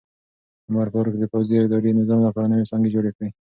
عمر فاروق د پوځي او اداري نظام لپاره نوې څانګې جوړې کړې.